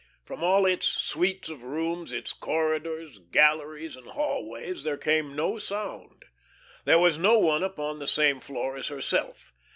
From all its suites of rooms, its corridors, galleries, and hallways there came no sound. There was no one upon the same floor as herself.